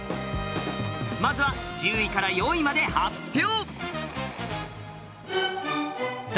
まずは１０位から４位まで発表！